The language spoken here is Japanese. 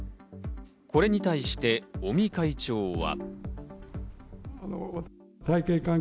これに対して尾身会長は。